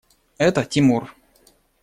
Это – Тимур.